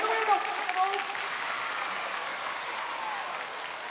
ありがとう！